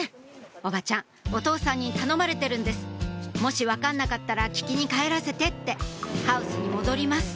おばちゃんお父さんに頼まれてるんです「もし分かんなかったら聞きに帰らせて」ってハウスに戻ります